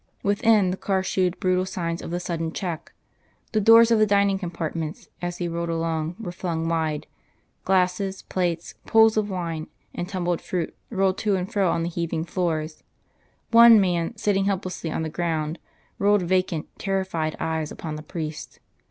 Within, the car shewed brutal signs of the sudden check: the doors of the dining compartments, as he passed along, were flung wide; glasses, plates, pools of wine and tumbled fruit rolled to and fro on the heaving floors; one man, sitting helplessly on the ground, rolled vacant, terrified eyes upon the priest.